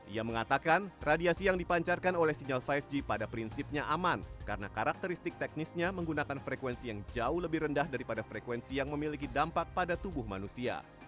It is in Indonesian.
ia mengatakan radiasi yang dipancarkan oleh sinyal lima g pada prinsipnya aman karena karakteristik teknisnya menggunakan frekuensi yang jauh lebih rendah daripada frekuensi yang memiliki dampak pada tubuh manusia